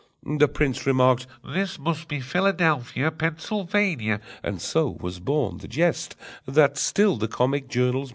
The prince remarked: "This must be Philadelphia, Pennsylvania!" (And so was born the jest that's still The comic journal's mania!)